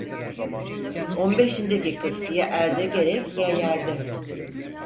On beşindeki kız, ya erde gerek ya yerde.